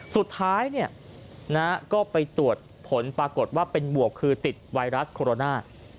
สุดท้ายก็ไปตรวจผลปรากฏว่าเป็นบวกคือติดไวรัสโคโรนา